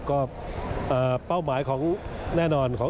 ก็เป้าหมายของแน่นอนของ